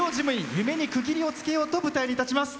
夢に区切りをつけようと舞台に立ちます。